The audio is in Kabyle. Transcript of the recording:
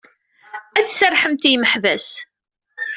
Ad d-tserrḥemt i yimeḥbas.